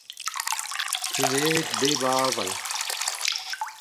Kemerit pep a aval.